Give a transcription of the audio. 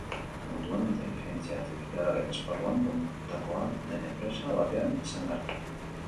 Munduan, inteligentzia artifizialaren esparruan, puntakoa den empresa batean izan gara.